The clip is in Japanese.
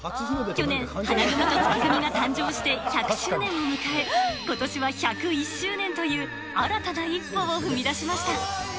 去年、花組と月組が誕生して１００周年を迎え、ことしは１０１周年という、新たな一歩を踏み出しました。